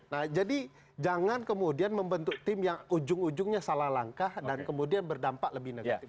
nah jadi jangan kemudian membentuk tim yang ujung ujungnya salah langkah dan kemudian berdampak lebih negatif